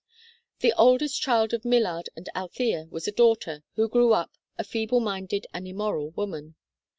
The oldest child of Millard and Althea was a daugh ter who grew up a feeble minded and immoral woman.